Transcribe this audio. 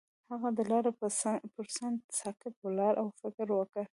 هغه د لاره پر څنډه ساکت ولاړ او فکر وکړ.